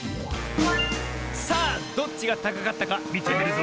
さあどっちがたかかったかみてみるぞ。